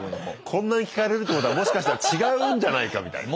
こんなに聞かれるってことはもしかしたら違うんじゃないかみたいな。